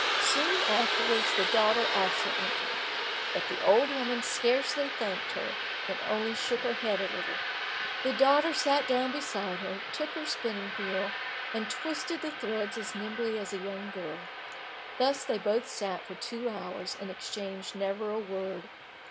Soon afterwards the daughter also entered. But the old woman scarcely thanked her, and only shook her head a little. The daughter sat down beside her, took her spinning wheel, and twisted the threads as nimbly as a young girl. Thus they both sat for two hours, and exchanged never a word.